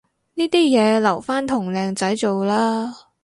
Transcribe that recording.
呢啲嘢留返同靚仔做啦